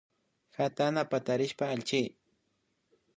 Katana patarishpa allchi